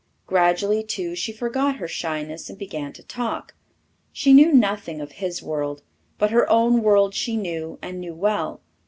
Gradually, too, she forgot her shyness and began to talk. She knew nothing of his world, but her own world she knew and knew well.